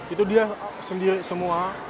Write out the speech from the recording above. itu dia sendiri semua